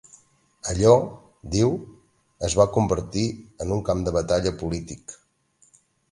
Allò, diu, es va convertir en un “camp de batalla polític”.